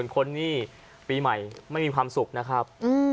คนนี่ปีใหม่ไม่มีความสุขนะครับ